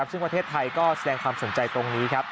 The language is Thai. ซึ่งประเทศไทยก็แสดงความสนใจตรงนี้ครับ